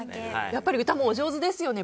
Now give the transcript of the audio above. やっぱり歌もお上手ですよね。